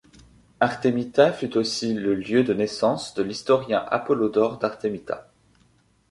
Artemita fut aussi le lieu de naissance de l'historien Apollodore d'Artemita.